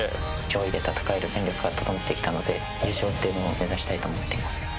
上位で戦える戦力が整ってきたので優勝を目指したいと思っています。